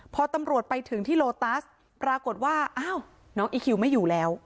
พอตำรวจไปถึงที่โลตัสปรากฏว่าอ้าวน้องอีคิวไม่อยู่แล้ว